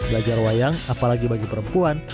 belajar wayang apalagi bagi perempuan